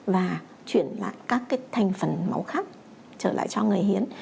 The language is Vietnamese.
và chuyển lại các thành phần máu khác trở lại cho người hiến